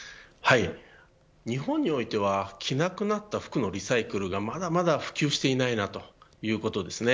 日本においては着なくなった服のリサイクルがまだまだ普及していないなということですね。